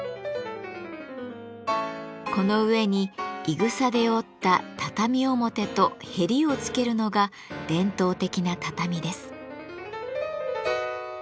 この上にいぐさで織った「畳表」と「へり」を付けるのが伝統的な畳です。